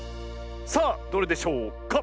さあどれでしょうか？